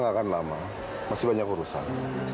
bahkan saking saya cintainya sama daniel